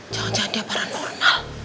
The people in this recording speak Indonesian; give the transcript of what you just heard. jangan jangan dia paranormal